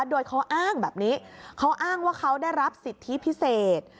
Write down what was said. โดยเขาอ้างแบบนี้เขาอ้างว่าเขาได้รับสิทธิพิเศษ